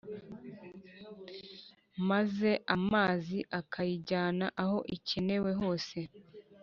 maze amazi akayijyana aho ikenewe hose.